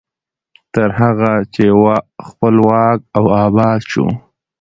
تر هغه چې خپلواک او اباد شو.